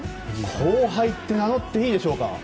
後輩と名乗っていいんでしょうか。